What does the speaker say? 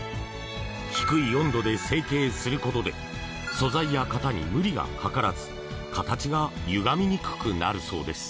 低い温度で成型することで素材や型に無理がかからず形がゆがみにくくなるそうです。